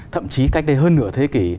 thậm chí cách đây hơn nửa thế kỷ